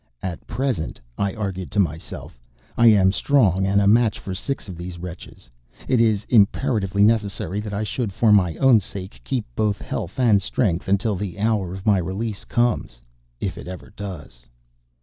"At present," I argued to myself, "I am strong and a match for six of these wretches. It is imperatively necessary that I should, for my own sake, keep both health and strength until the hour of my release comes if it ever does."